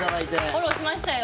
フォローしましたよ